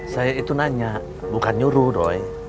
saya itu nanya bukan nyuruh roy